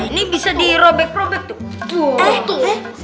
ini bisa dirobek robek tuh